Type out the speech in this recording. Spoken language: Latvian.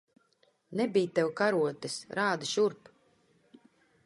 Nebij tev karotes. Rādi šurp!